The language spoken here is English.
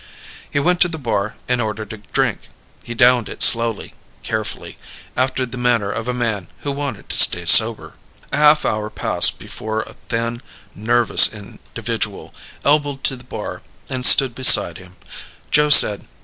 He went to the bar and ordered a drink. He downed it slowly, carefully, after the manner of a man who wanted to stay sober. A half hour passed before a thin, nervous individual elbowed to the bar and stood beside him. Joe said.